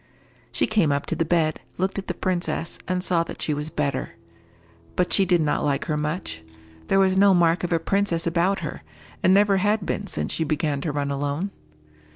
She came up to the bed, looked at the princess, and saw that she was better. But she did not like her much. There was no mark of a princess about her, and never had been since she began to run alone.